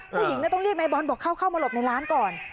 ผู้หญิงต้องเรียกนายบอลบอกเข้ามาหลบในร้านก่อน